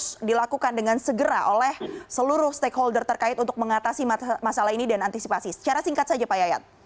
yang harus dilakukan dengan segera oleh seluruh stakeholder terkait untuk mengatasi masalah ini dan antisipasi secara singkat saja pak yayat